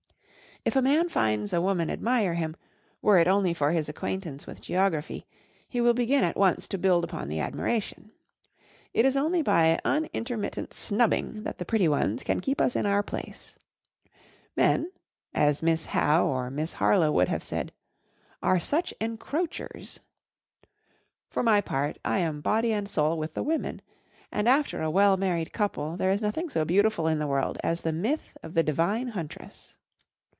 If a man finds a woman admire him, were it only for his acquaintance with geography, he will begin at once to build upon the admiration. It is only by unintermittent snubbing that the pretty ones can keep us in our place. Men, as Miss Howe or Miss Harlowe would have said, 'are such encroachers.' For my part, I am body and soul with the women; and after a well married couple, there is nothing so beautiful in the world as the myth of the divine huntress.